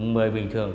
mời bình thường